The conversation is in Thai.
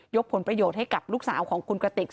ยกผลประโยชน์ให้สาวหลูกสาวของคุณอะไรซิ